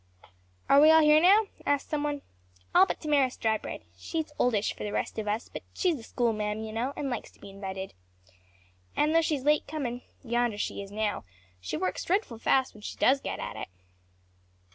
"Are we all here now?" asked some one. "All but Damaris Drybread. She's oldish for the rest of us, but she's the schoolma'am, you know, and likes to be invited. And though she's late comin' yonder she is now she works dreadful fast when she does get at it."